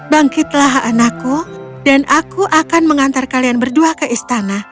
bangkitlah anakku dan aku akan mengantar kalian berdua ke istana